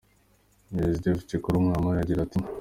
Me Joseph Cikuru Mwanamayi agira ati: